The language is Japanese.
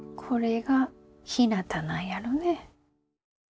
これがひなたなんやろね。